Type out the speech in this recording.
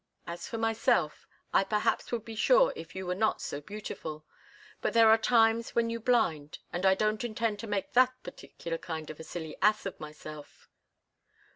As for myself, I perhaps would be sure if you were not so beautiful; but there are times when you blind, and I don't intend to make that particular kind of a silly ass of myself."